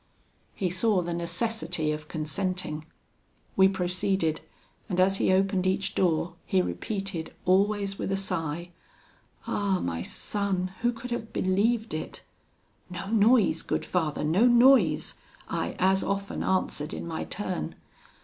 "He saw the necessity of consenting. We proceeded, and as he opened each door, he repeated, always with a sigh, 'Ah! my son, who could have believed it?' 'No noise, good Father, no noise,' I as often answered in my turn.